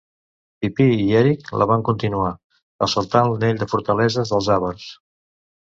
Pipí i Eric la van continuar, assaltant l'anell de fortaleses dels àvars.